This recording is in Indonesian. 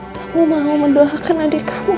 kamu mau mendoakan adik kamu